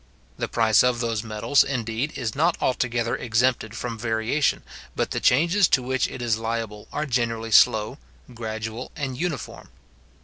The price of those metals, indeed, is not altogether exempted from variation; but the changes to which it is liable are generally slow, gradual, and uniform.